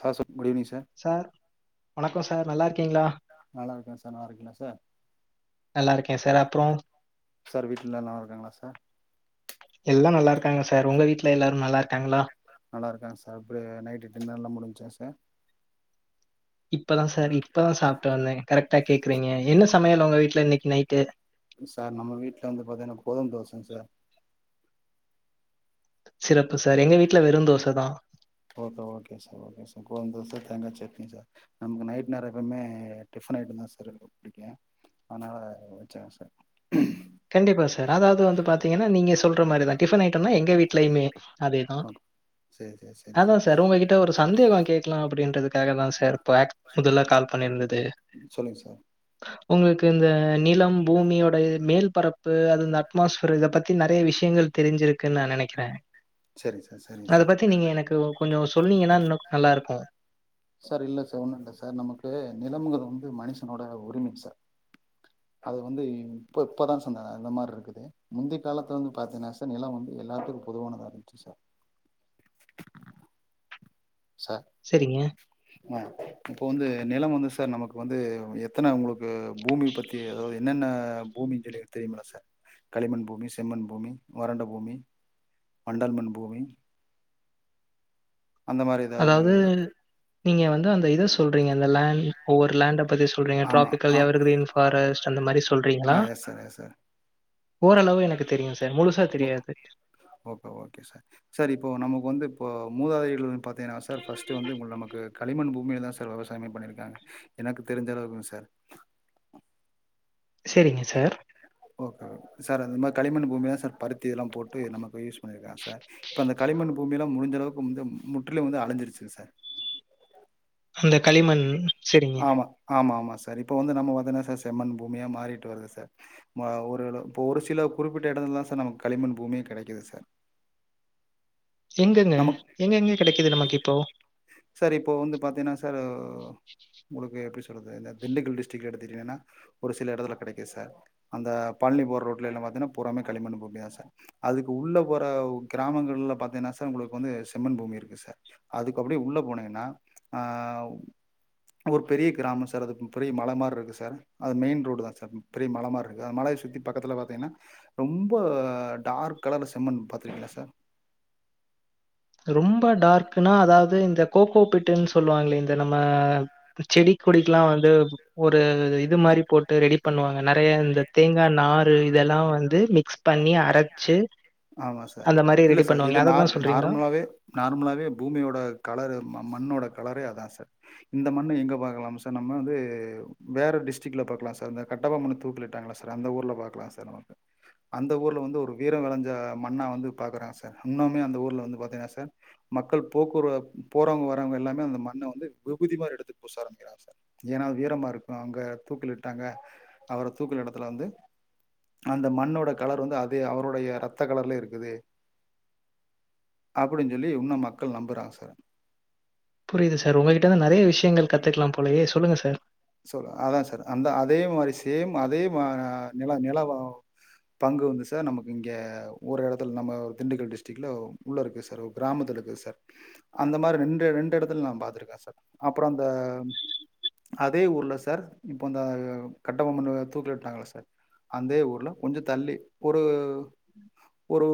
Sir [inaudible] குடிவினிங் sir sir வணக்கோ sir நல்லா இருக்கீங்களா நல்லா இருக்கே சார் நல்லா இருக்கிங்களா சார் நல்லா இருக்கேன் சார். அப்புறம் சார் வீட்டுல நல்லா இருக்காங்களா சார் எல்லா நல்லா இருக்காங்க சார் உங்க வீட்டுல எல்லாரு நல்லா இருக்காங்களா நல்லா இருக்காங்க சார் எப்படி நைட்டு டின்னர்ல்லா முடிஞ்சா சார் இப்பதா சார் இப்பதா சாப்ட்டு வந்தேங் கரெக்டா கேக்குறீங்க என்ன சமையல் உங்க வீட்டுல இன்னைக்கு நைட்டு சார் நம்ம வீட்ல வந்து பாத்தீங்கன்னா கோதும தோச சார் சார் அப்ப சார் எங்க வீட்ல வெரு தோசதா okay okay sir okay sir கோதும தோசை தேங்கா சட்னி சார் நமக்கு நைட் நேரோ எப்பவுமே டிஃபன் ஐட்டம் த சார் ரொம்ப புடிக்கு அதனால வச்சே சார் கண்டிப்பா சார் அதாவது வந்து பாத்தீங்கன்னா நீங்க சொல்ற மாரிதா டிஃபன் ஐட்டம்னா எங்க வீடலயுமே அதேதா ஓகே சேரி சார் சே சேரி அதா சார் உங்ககிட்ட ஒரு சந்தேக கேக்கலா அப்டின்றதுக்கு க்காகதா சார் இப்போ ஆட் முதல்ல கால் பண்ணிருந்தது சொல்லுங்க சார் உங்களுக்கு இந்த நிலம் பூமி ஒடைய மேல் பரப்பு அந்த அட்மாஸ்ஃபிரு இத பத்தி நெறைய விஷயங்கள் தெரிஞ்சிருக்குன் நா நெனைக்கிற சேரிங்க சார் சேரிங்க அத சார் பத்தி நீங்க எனக்கு ஒ கொஞ்சோ சொன்னீங்கன்னா இன்னு க் நல்லா இருக்கு சரி இல்ல சார் ஒன்னு இல்ல சார் நமக்கு நிலம்முங்குறது வந்து மனுஷனோட உரிம சார் அது வந்து இப்ப இப்பதா சொன்ன இந்த மாரி இருக்குது முந்தைய காலத்துல வந்து பாத்தீங்கன்னா சார் நிலம் வந்து எல்லாத்து பொதுவானதா இருந்துச்சு சார் ச சரிங்க ஆ இப்போ வந்து நில வந்து சார் நமக்கு வந்து எ எத்தன உங்களுக்கு பூமி பத்தி அதாவது என்னென்ன பூமி ஜலே தெரிமா சார் களிமண் பூமி செம்மன் பூமி வறண்ட பூமி மண்டல் மண் பூமி அந்த மாதிரி ஏதாவது அதாவது நீங்க வந்து அந்த இத சொல்றீங்க அந்த லேண் ஒவ்வொரு லேண்ட பத்தி சொ சொல்றீங்க ஆமா ஆ ட்ராப்பிக்கல் எவ்ர் கிரீன்ஃபாரஸ்ட் அந்த மாரி ஆ சொல்றீங்களா எஸ் சார் எஸ் சார் ஓரளவு எனக்கு தெரியு சார் முழுசா ஓ தெரியாது ஓகே ஓகே சார் சார் இப்போ நமக்கு வந்து இப்போ மூதாதைகள் பாத்தீங்கன்னா சார் ஃபஸ்ட்டு வந்து உங்கள் நமக்கு களிமண் பூமில தா சா விவசாயமே பண்ணிருக்காங்க எனக்கு தெரிஞ்ச அளவுக்கு சார் சேரிங்க சார் ஓகே சார் அது மாதிரி களிமண் பூமி தா சார் பருத்தி இதெல்லா போட்டு நமக்கு யூஸ் பண்ணி இருக்காங்க சார் இப்ப அந்த களிமண் பூமி எல்லா முடிஞ்ச அளவுக்கு வந்து முற்றிலயு வந்து அழிஞ்சிருச்சு சார் அந்த களிமண் சேரிங்க ஆமா ஆமா சார் இப்போ வந்து நம்ம வதனா சார் செம்மண் பூமியா மாறிட்டு வருது சார் ம ஒரு அளவு இப்ப ஒரு சில குறிப்பிட்ட எடத்துலதா சார் நமக்கு களிமண் பூமியே கெடைக்கிது சார் எங்கங்க நமக்கு எங்கெங்க கெடைக்குது நமக்கு இப்போ சார் இப்போ வந்து பாத்தீன்னா சார் உங்களுக்கு எப்டி சொல்றது இந்த திண்டுக்கல் டிஸ்டரிக் எடுத்துட்டீங்கன்னா ஒரு சில எடத்துல கெடைக்கு சார் அந்த பழனி போற ரோட்டல எல்லா பாத்திங்கனா பூராமே களிமண்ணு பூமிதா சார் அதுக்கு உள்ள போற கிராமங்கள்ல பாத்தீங்கன்னா சா உங்களுக்கு வந்து செம்மன் பூமி இருக்கு சார் அதுக்கு அப்டியே உள்ள போனீங்கன்னா ஆ ஒரு பெரிய கிராம சார் அது பெரிய மல மார இருக்கு சார் அது மெயின் ரோடு தா சார் பெரிய மல மாரி இருக்கு அ மலைய சுத்தி பக்கத்துல பாத்திங்கன்னா ரொம்ப டார்க் கலர்ல செம்மண் பாத்துருக்கீங்களா சார் ரொம்ப டார்க்குன்னா அதாவது இந்த கோகோபிட்டுன்னு சொல்லுவாங்களே இந்த நம்ம இந்த செடி கொடிக்லா வந்து ஒரு இது மாரி போட்டு ரெடி பண்ணுவாங்க நெறைய இந்த தேங்கா நாறு இதெல்லா வந்து மிக்ஸ் பண்ணி அரச்சு ஆமா இல்ல சார் இது நார் சொல்றீங்களா? நார்மலாவே நார்மலாவே பூமியோட கலரு ம மண்ணோட கலரே அதா சார் இந்த மண்ணு எங்க பாக்லாம் சார் நம்ம வந்து வேற டிஸ்ட்டிக்ல பாக்லா சார் இந்த கட்ட பொம்மண தூக்கிலிட்டாங்கல்ல சார் அந்த ஊர்ல பாக்லா சார் நமக்கு அந்த ஊர்ல வந்து ஒரு வீரோ வெளஞ்ச மண்ணா வந்து பாக்குறாங்க சார் இன்னுமே அந்த ஊர்ல வந்து பாத்தீங்னா சார் மக்கள் போக்குர போறவுங்க வரவுங்க எல்லாமே அந்த மண்ண வந்து விபூதி மாரி எடுத்து பூச ஆரம்பிக்கிறாங்க சார் ஏன்னா அது வீரமா இருக்கோ அங்க தூக்கிளிட்டாங்க அவர தூக்கிலிடத்துல வந்து அந்த மண்ணோட கலர் வந்து அதே அவருடைய ரத்த கலர்லே இருக்குது அப்டின் சொல்லி இன்னு மக்கள் நம்புறாங்க சார் புரியுது சார் உங்ககிட்டே தா நறைய விஷயங்கள் கத்துக்லா போலயே சொல்லுங்க சார் சார் அதா சார் அந்த அதே மேரி சேம் அதே ம நில நில வ பங்கு வந்து சார் நமக்கு இங்க ஒரு எடத்துல நம்ம ஒரு திண்டுக்கல் டிஸ்ட்ரிக்ல உள்ள இருக்கு சார் ஓ கிராமத்துல இருக்குது சார் அந்த மாரி ரெண்டு ரெண்டு எடத்துல நா பாத்திருக்கே சார் அப்றோ அந்த அதே ஊர்ல சார் இப்போ அந்த ஆ கட்டபொம்மண தூக்கிலிட்டாங்கல்ல சார் அந்தே ஊர்ல கொஞ்சோ தள்ளி ஒரு ஒரு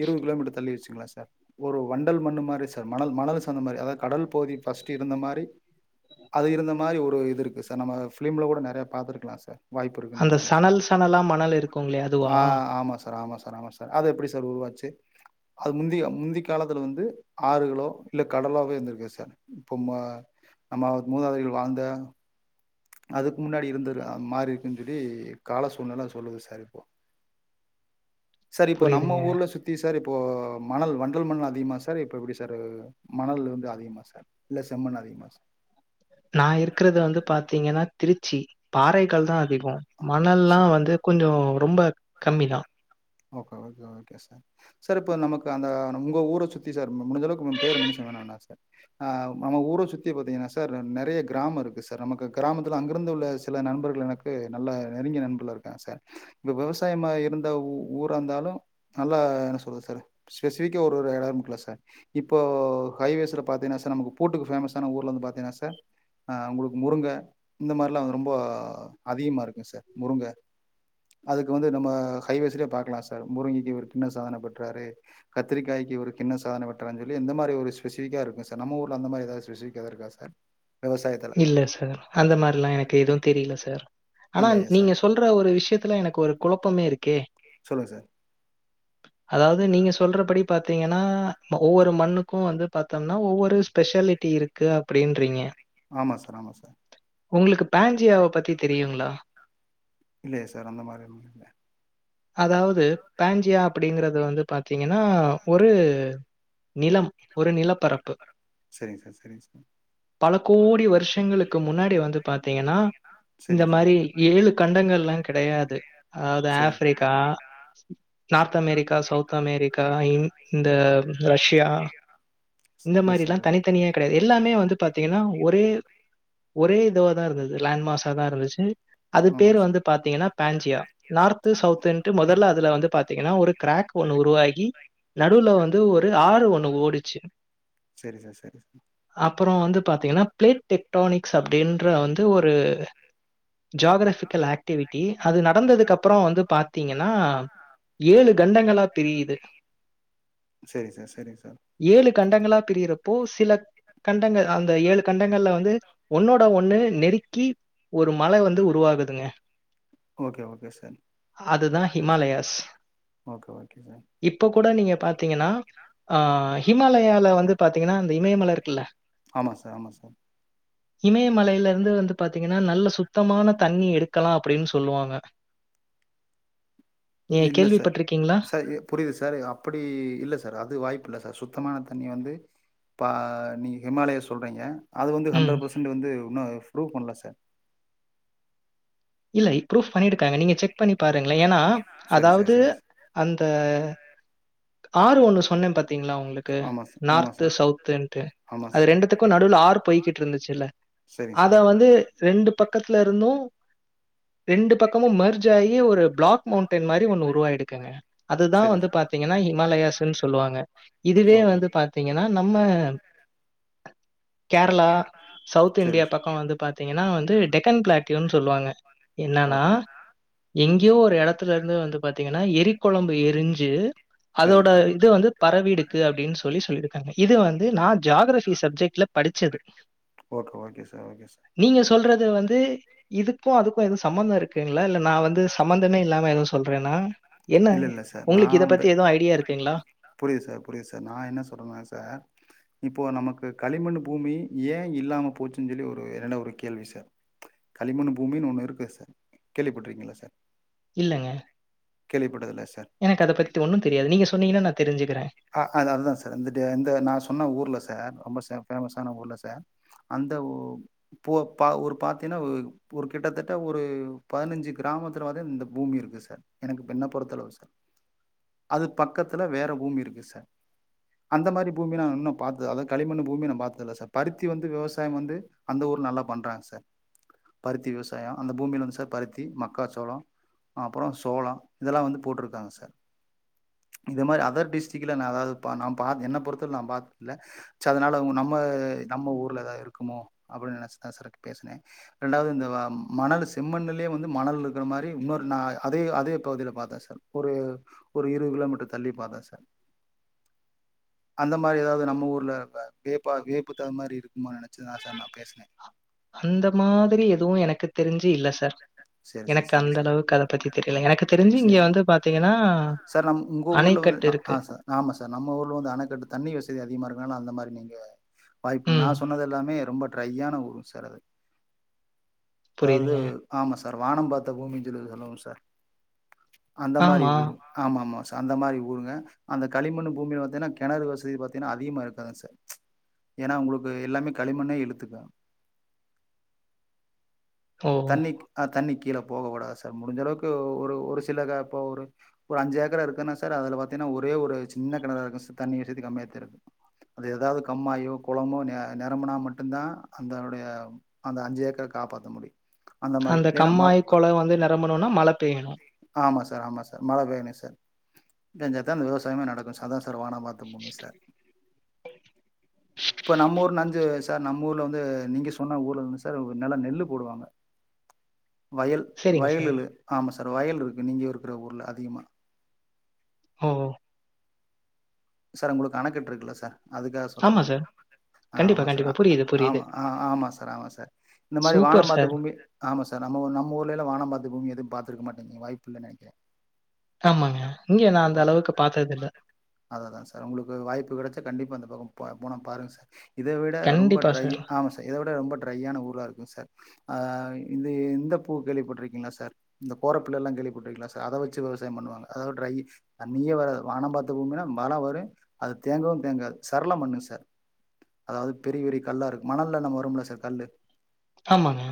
இருவது கிலோமீட்டர் தள்ளி வெச்சிக்ளா சார் ஒரு வண்டல் மண்ணு மாரி ஒரு வண்டல் மண்ணு மாரி சார் மணல் மணலு சாந்த மாரி அதாது கடல் பகுதி ஃபர்ஸ்ட்டு இருந்த மாரி அது இருந்த மாரி ஒரு இது இருக்கு சார் நம்ம ஃபிலிம்ல கூட நறைய பாத்திருக்கலா சார் வாய்ப்பு இருக்குன்னு அந்த நெனைக்கிறே சார் சணல் சணலா மணல் இருக்குங்களே அதுவா? ஆ ஆமா சார் ஆமா சார் ஆமா சார் அது எப்டி சார் உருவாச்சி அது முந்திய முந்தி காலத்துல வந்து ஆறுகளோ இல்ல கடலாவே இருந்திருக்கு சார் இப்போ ம நம்ம மூதாதியர்கள் வாழ்ந்த அதுக்கு முன்னாடி இருந்துற மாரி இருக்குன்னு சொல்லி கால சூழ்நெல அது சொல்லுது சார் இப்போ சார் இப்போ நம்ம புரியுதுங்க. ஊர்ல சுத் தி சார் இப்போ மணல் வண்டல் மண்லா அதிகமா சார் இப்ப எப்டி சார் ஆ மணல் வந்து அதிகமா சார் இல்ல செம்மண்ணு அதிகமா சார் நா இருக்கறது வந்து பாத்தீங்கன்னா திருச்சி பாறைகள் தா அதிகோ சார்? மணல்லா வந்து கொஞ்சோ ரொம்போ கம்மி தா ஓகோ ஓகே ஓகே சார் சார் இப்ப நமக்கு அந்த உங்க ஊர சுத்தி சார் மு முடிஞ்சளவுக்கு உங்க பேர மென்ஷன் பண்ண வேணா சார் ஆ நம்ம ஊர சுத்தி பாத்தீங்கனா சார் நறைய கிராமோ இருக்கு சார் நமக்கு கிராமத்துல அங்கிருந்து உள்ள த்துல நண்பர்கள் எனக்கு நல்ல நெருங்கிய நண்பர்கள்லா இருக்காங்க சார் இந்த விவசாயமா இருந்த ஊ ஊரா இந்தாலு நல்லா என்ன சொல்றது சார் ஸ்பெசிஃபிக்கா ஒரு ஒரு எடோ இருகுமுல்ல சார் இப்போ ஹைவேஸ்ல பாத்தீங்னா சார் நமக்கு பூட்டுக்கு பேமஸ் ஆனா ஊர்ல இருந்து பாத்தீங்னா சார் ஆ உங்களுக்கு முருங்க இந்த மாரிலா ரொம்போ அதிகமா இருக்கு சார் முருங்க அதுக்கு வந்து நம்ம ஹைவேஸ்லயே பாக்கலா சார் முருங்கைக்கி இவரு கின்னஸ் சாதன பெற்றாரு கத்திரிக்காயிக்கி இவரு கின்னஸ் சாதன பெற்றாருன்னு சொல்லி இந்த மாரி ஒரு ஸ்பெசிபிக்கா இருக்கு சார் நம்ம ஊர்ல அந்த மாரி எதாவது ஸ்பெசிபிக்கா எதா இருக்கா சா இல்ல சார் அந்த மாரில்லா எனக்கு எதுவு தெரில சார் ஆனா இல்லையே சார் நீங்க சொல் ற ஒரு விஷ்யத்துல எனக்கு ஒரு கொழப்பமே இருக்கே சொல்லுங்க சார் அதாவது நீங்க சொல்றபடி பாத்தீங்கனா ஒவ்வொரு மண்ணுக்கு வந்து பாத்தோம்னா ஒவ்வொரு ஸ்பெஷ லிட்டி இருக்கு அப்டின்றீங்க ஆமா சார் ஆமா சார் உங்ளுக்கு பேஞ்சியாவ பத்தி தெரியுங்ளா இல்லியே சார் அந்த மாரி ஒண்ணு இல்ல அதாவது பேஞ்சியா அப்டிங்கிறது வந்து பாத்தீங்கனா ஒரு நிலம் ஒரு நிலப்பரப்பு செரிங் சார் செரிங் சார் பல கோடி வருஷங்களுக்கு முன்னாடி வந்து பாதிக்கண்ண இந்த சரிங்க சார் மாரி ஏழு கண்டங்கள்ல கிடையாது அதாவது சரிங்க ஆஃப் sir North America South America இன் இந்த ரஷ்யா இந்த சரி எஸ் மாதிரில்லா சார் தனித்தனியா கிடையாது எல்லாமே வந்து பாத்தீங்கன்னா ஒரே ஒரே இதுவாதான் இருந்தது லேண்ட்மாஸ தா இருந்துச்சு அது ஆமா பேர் சார் வந்து பாத்தீங்கன்னா பேஞ்சியா நார்த்து சவுத்துட்டு முதல்ல அதுல வந்து பாத்தீங்கன்னா ஒரு கிராக் ஒண்ணு உருவாகி நடுல வந்து ஒரு ஆறு ஒண்ணு ஓடிச்சு செரி சார் செரி சார் அப்றோ வந்து பாத்தீங்கன்னா பிளேட் டெக்ட்டானிக்ஸ் அப்டின்ற ஒரு ஜாகரபிக்கல் ஆக்டிவிட்டி அது நடந்ததுக்கு அப்றம் வந்து பாத்தீங்கன்னா ஏழு கண்டங்களா பிரியிது செரிங் சார் செரிங் சார் ஏழு கண்டங்களா பிரியரப்போ சில கண்டங்கள் அந்த ஏழு ல வந்து ஒன்னோட ஒன்னு நெருக்கி ஒரு மழ வந்து உருவாகுதுங்க ஓகே ஓகே சார் அதுதா ஹிமாலயாஸ் ஓகே ஓகே சார் இப்ப கூட நீங்க பாத்தீங்கன்னா ஆ ஹிமாலயால வந்து பாத்தீங்கன்னா அந்த இமயமல இருக்குல்ல ஆமா சார் ஆமா சார் இமயமலையில இருந்து வந்து பாத்தீங்கன்னா நல்ல சுத்தமான தண்ணி எடுக்கலா அப்டின் சொல்லுவாங்க நீங்க இல்ல சார் கேள்விப்பட்டிருக்கீங்களா? சார் எ புரியுது சார் அப்டி இல்ல சார் அது வாய்ப்பு இல்ல சார் சுத்தமான தண்ணி வந்து பா நீங்க ஹிமாலயா சொல்றீங்க அது வந்து ம். ஹண்ட்ரட் பர்சன்ட் வந்து உண்ணு ப்ரூவ் பண்ணல சார் இல்லை ப்ரூஃப் பண்ணிருக்காங்க நீங்க செக் பண்ணி பாருங்களேன் ஏன்னா சரிங்க சார் அதாவது சரிங்க சார் அந்த ஆறு ஒண்ணு சொன்னே பாத்தீங்களா உங்களுக்கு ஆமாம் சார் ஆமாம் நார்த்து சார் சவுத்துன்ட்டு ஆமாம் அது சார் ரெண்டுத்துக்கு நடுவுல ஆறு போய்கிட்டு இருந்துச்சுல்ல சரிங்க அத சார் வந்து ரெண்டு பக்கத்துல இருந்தும் ரெண்டு பக்கமும் மர்ஜ் ஆகி ஒரு பிளாக் மவுண் டன் மாரி ஒன்னு உருவாருக்குங்க அதுதா சரிங்க வந்து சார் பாத் ஹிமாலயாஸ்ன்னு சொல்லுவாங்க இதுவே ஓகே வந்து ஓகே பாத் தீங்கன்னா நம்ம கேரளா சவுத் இந்தியா சரிங்க சார் பக்கம் வந்து பாத்தீங்கன்னா வந்து டெக்கன் பிளாட்டீயுன் சொல்லுவாங்க என்னன்னா ஓகே ஓகே, எங்கேயோ ஒரு எடத்துலருந்து வந்து பாத்தீங்கன்னா எரி கொழம்பு எரிஞ்சு அதோட சரிங்க சார் இது வந்து பரவடுக்கு அப்டின்னு சொல்லி சொல்லியிருக்காங்க இது வந்து நான் ஜியாகிரஃபி சப்ஜெக்ட்ல படிச்சது okay okay sir okay sir நீங்க சொல்றது வந்து இதுக்கு அதுக்கு எதுவு சம்பந்தம் இருக்குங்களா இல்ல நா வந்து சம்பந்தனே இல்லாம எதும் சொல்றேன்ன என்ன இல்லை இல்லை சார் உங்களுக்கு நான் இதை வந்து பத்தி எது ஐடியா இருக்குங்களா புரியுது சார் புரியுது சார் நா என்ன சொல்றன்ன சார் இப்போ நமக்கு களிமண் பூமி ஏ இல்லாம போச்சுன் சொல்லி ஒரு என்னட ஒரு கேள்வி சார் களிமண்ணு பூமின் ஒன்னு இருக்கு சார் கேள்விப்பட்ருக்கீங்ளா சார் இல்லங்க கேள்விப்பட்டதில்லயா சார் எனக்கு அத பத்தி ஒன்னுந் தெரியாது நீங்க சொன்னீங்கன்னா நா தெரி்ஞ்சுக்கிறே ஆ அ அதா சார் வந்துட்டு இந்த நா சொன்ன ஊர்ல சார் ரொம்ப ஃபேமஸ்ஸான ஊர்ல சார் அந்த ஒ பூவ ஒரு பாத்தீன்னா ஒரு கிட்டத்தட்ட ஒரு பதினஞ்சு கிராமத்துல வந்து இந்த பூமி இருக்கு சார் எனக்கு என்ன பொறுத்தளவு சார் அது பக்கத்துல வேற பூமி இருக்கு சார் அந்த மாரி பூமி நா இன்னு பாத்தது அதா களிமண்ணு பூமி நா பாத்ததில்ல சார் பருத்தி வந்து விவசாயம் வந்து அந்த ஊர் நல்லா பண்றாங் சார் பருத்தி விவசாயோ அந்த பூமில வந்து சார் பருத்தி மக்காச்சோளோ அப்பறோ சோளோ இதெல்லா வந்து போட்ருக்காங்க சார் இது மாரி அதர் டிஸ் டிக்ட்ல நா அதாது பா நா பாத் என்ன பொறுத்த அளவு நா பாத்ல்ல ச்ச அதனால உ நம்ம நம்ம ஊர்ல ஏதா இருக்குமோ அப்டின் நெனைச்சுதா சார் இப்ப பேசுனே ரெண்டாவது இந்த மணலு செம்மண்ணுலேயே வந்து மணல் இருக்கற மாரி இன்னொரு நா அதே அதே பகுதில பாத்தே சார் ஒரு ஒரு இருது கிலோமீட்டர் தள்ளிப்பாத்த சார் அந்த மாரி ஏதாவது நம்ம ஊர்ல வ வியப்பா வியப்பு தகுந்த மாரி இருக்குமா நெனச்சு தா சார் நா பேசுனே அந்த மாதிரி எதுவு எனக்கு தெரிஞ்சு இல்ல சார் சேரி சார் எனக்கு சேரி அந்த சார் அளவுக்கு அத பத்தி தெரியல எனக்கு தெரிஞ்சு சரி இங்க வந்து பாத்தீங்கன்னா சார் நம் உங்க ஊர்ல வந்து அ ஆ சார் ஆம சார் நம்ம ஊர்ல வந்து அணைகட்டு தண்ணி வசதி அதிகமா இருக்கனால அந்த மாரி நீங்க வாய்ப்பில் நா ம். சொன்னதெல்லாமே ரொம்ப ட்ரையான ஊருங் சார் அது அதாவது புரியுதுங்க. ஆம சார் வானம் பாத்த பூமின் சொல்லி சொல்லுவம் சார் அந்த மாரி ஆமா. ஊரு ஆமாமா சா அந்த மாரி ஊருங்க அந்த களிமண்ணு பூமி பாத்தீனா கெணறு வசதி பாத்தீனா அதிகமா இருக்காதுங் சார் ஏனா உங்களுக்கு எல்லாமே களிமண்ணே இழுத்துக்கு ஓ! தண்ணி ஆ தண்ணி கீழ போக வுடாது சார் முடிஞ்சளவுக்கு ஒரு ஒரு சில கா ப்ப ஒரு ஒரு அஞ்சு ஏக்கரா இருக்குன்னா சார் அதுல பாத்தீன்னா ஒரே ஒரு சின்ன கெணறா இருக்கு சார் தண்ணி வசதி கம்மியாத்தா இருக்கு அது எதாவது கம்மாயோ கொளமோ ந நெரம்பனா மட்டுந்தா அந்தனுடைய அந்த அஞ்சு ஏக்கர காப்பாத்த முடியு அந்த கம்மாய் குள வந்து நெரம்பணுனா மழ பேயணு ஆமா சார் ஆமா சார் மழை பேய்ணு சார் பேஞ்சாத்தா அந்த விவசாயமே நடக்கு சார் அதா சார் வான பாத்த பூமி சார் இப்ப நம்ம ஊர் ந அஞ்சு சார் நம்ம ஊர்ல வந்து நீங்க சொன்ன ஊர்ல இருந்து சார் நெல நெல்லு போடுவாங்க வயல் சரிங்க சார். வயலுலு ஆம சார் வயல் இருக்கு நீங்க இருக்கற ஊர்ல அதிகமா ஓ சார் உங்களுக்கு அணக்கட்டு இருக்குல சார் அதுக்காக சொல்ற ஆமா நான் சார். ஆ கண்டிப்பா, ஆமா சார் கண்டிப்பா. ஆ புரியுது, புரியுது. ஆமா ஆ ஆமா சார் ஆமா சார் இந்த மாரி சூப்பர் வானம் பாத்த சார். பூமி ஆமா சார் நம்ம நம்ம ஊர்லலா வானம் பாத்து பூமி எது பாத்ருக்க மாட்டீங்க வாய்ப்புல்லன் நெனைக்கிறே ஆமாங்க இங்க நா அந்த அளவுக்கு பாத்தது இல்ல அத தா சார் உங்களுக்கு வாய்ப்பு கெடைச்சா கண்டிப்பா அந்த பக்கோ போ போனா பாருங் சார் இத விட ரொம்ப கண்டிப்பா ட்ரை சார். ஆம சார் இத விட ரொம்ப ட்ரையான ஊரா இருக்கு சார் அ இது இந்த பூ கேள்விப்பட்ருக்கீங்ளா சார் இந்த கோரப்பில்லெல்லா கேள்விப்பட்ருக்கீங்ளா சார் அத வச்சு விவசாயம் பண்ணுவாங்க அத ட்ரை தண்ணியே வராது வானம் பாத்த பூமினா மழ வரு அது தேங்கவு தேங்காது சரள மண்ணு சார் அதாவது பெரிய பெரிய கல்லா இருக்கு மணல்ல நம்ம வரும்ல சார் கல்லு ஆமாங்க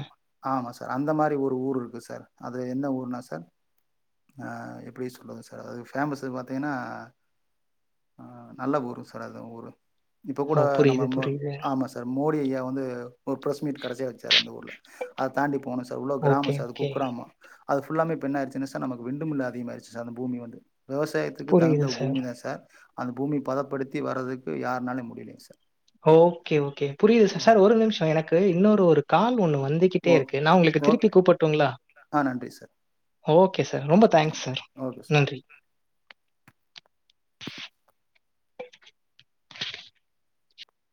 ஆமா சார் அந்த மாரி ஒரு ஊரு இருக்கு சார் அது என்ன ஊருனா சார் அ எப்டி சொல்றது சார் அது ஃபேமஸு பாத்தீங்னா நல்ல ஊருங் சார் அந்த ஊரு இப்ப ஓ! கூட நம்ம புரியுது, ம புரியுது. ஆமா சார் மோடி ஐயா வந்து ஒரு ப்ரெஸ் மீ்ட் கடசியா வச்சாரு அந்த ஊர்ல அத தாண்டி போனு சார் உள்ள ஓகே, க்ராம சார் அது ஓகே. குக்ராம அது ஃபுல்லாமே இப்ப என்னாய்ருச்சுனா சார் நமக்கு விண்டுமில் அதிகமாயிருச்சு சார் அந்த பூமி வந்து வெவசாயத் க்கு தகுந்த பூமிதா சார் அந்த பூமி பதப்படுத்தி வரதுக்கு யாருனாலு முடில சார் ஓகே ஓகே புரிது ச ஓ சார் ஒரு நிமிஷ எனக்கு இன்னொரு ஒரு கால் ஒண்ணு வந்து கிட்டே ஓ- இருக்கு நா உங்களுக்கு ஓ- திருப்பி கூப்புட்டுங்களா ஆ நன்றி சார் ஓகே சார் ரொம்ப தேங்க்ஸ் சார் ஓகே சார் நன்றி